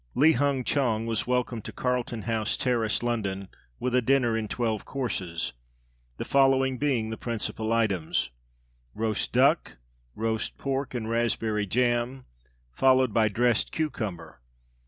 Li Hung Chang was welcomed to Carlton House Terrace, London, with a dinner, in twelve courses, the following being the principal items: Roast duck, roast pork and raspberry jam, followed by dressed cucumber.